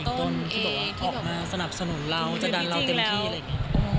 คุณหญิงต้นเชื่อถูกแล้วว่าออกมาสนับสนุนเราจะดันเราเต็มที่อะไรอย่างนี้